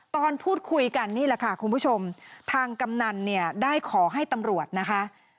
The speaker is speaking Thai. ตอนพูดคุยกันนี่แหละค่ะคุณผู้ชมทางกำนันเนี่ยได้ขอให้ตำรวจนะคะ